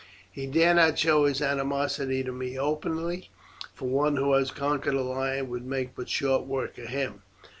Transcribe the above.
He dare not show his animosity to me openly, for one who has conquered a lion would make but short work of him.